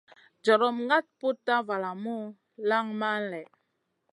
Jorom ŋaɗ putna valamu lanŋ man lèh.